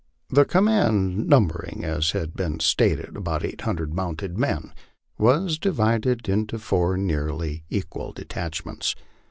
The command, numbering, as has been stated, about eight hundred mounted men, was divided into four nearly equal detachments.